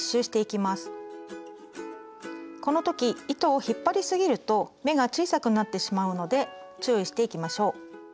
この時糸を引っ張りすぎると目が小さくなってしまうので注意していきましょう。